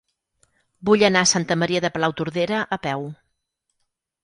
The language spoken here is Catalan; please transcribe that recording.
Vull anar a Santa Maria de Palautordera a peu.